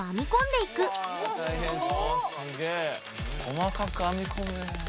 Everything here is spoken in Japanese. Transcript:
細かく編み込むねえ。